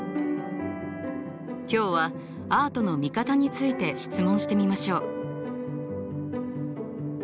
今日はアートの見方について質問してみましょう。